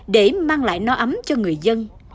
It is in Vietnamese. để mang lại no ấm cho người dân